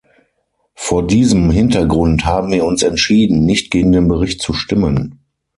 Vor diesem Hintergrund haben wir uns entschieden, nicht gegen den Bericht zu stimmen.